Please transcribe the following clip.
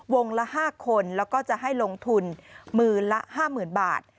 วงละ๕คนแล้วก็จะให้ลงทุน๑๐๐๐๐ละ๕๐๐๐๐บาท